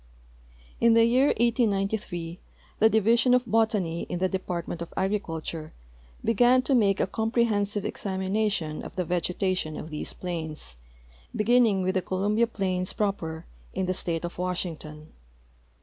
In the }'ear 1893 the Division of Botau}^ in the Department of Agriculture began to make a comprehensive examination of the vegetation of these ifiains, beginning with the Columbia plains proper, in the state of Washington.